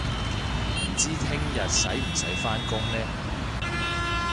唔知聽日使唔使返工呢